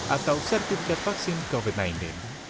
atau sertifikat vaksin covid sembilan belas